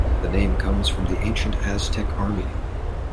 The name comes from the ancient Aztec army.